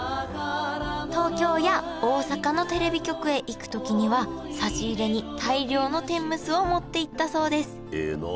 東京や大阪のテレビ局へ行くときには差し入れに大量の天むすを持っていったそうです。